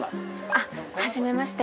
あっ初めまして。